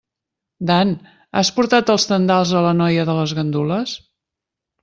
Dan, has portat els tendals a la noia de les gandules?